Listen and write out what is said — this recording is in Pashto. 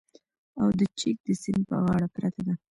او د چک د سیند په غاړه پرته ده